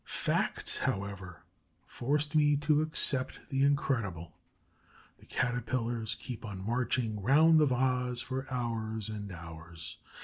Facts, however, forced me to accept the incredible. The Caterpillars keep on marching round the vase for hours and hours.